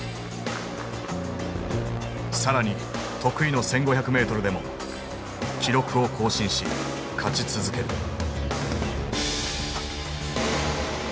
更に得意の１，５００ｍでも記録を更新し勝ち続ける。